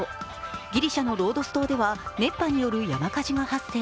ギリシャのロードス島では熱波による山火事が発生。